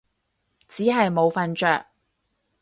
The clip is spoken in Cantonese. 只係冇瞓着